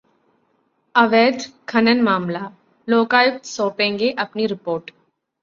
अवैध खनन मामलाः लोकायुक्त सौंपेंगे अपनी रिपोर्ट